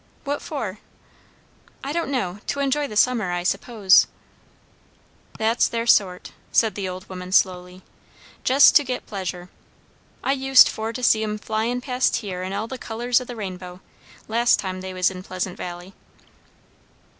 "What for?" "I don't know. To enjoy the summer, I suppose." "That's their sort," said the old woman slowly. "Jest to get pleasure. I used for to see 'em flyin' past here in all the colours o' the rainbow last time they was in Pleasant Valley."